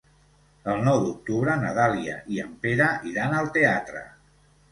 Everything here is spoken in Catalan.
El nou d'octubre na Dàlia i en Pere iran al teatre.